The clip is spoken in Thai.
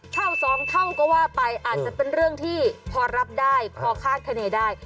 เท่าสองเท่าก็ว่าไปอาจจะเป็นเรื่องที่พอรับได้พอคาดคณีได้